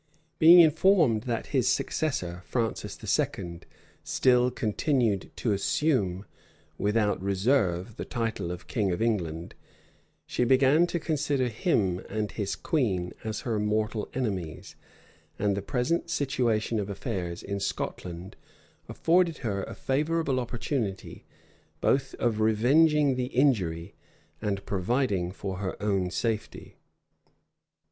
Being informed that his successor, Francis II., still continued to assume, without reserve, the title of King of England, she began to consider him and his queen as her mortal enemies; and the present situation of affairs in Scotland afforded her a favorable opportunity, both of revenging the injury, and providing for her own safety.